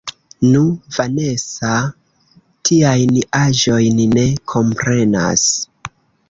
Nu, Vanesa tiajn aĵojn ne komprenas.